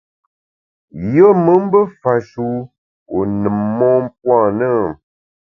Yùe me mbe fash’e wu wu nùm mon puo a na ?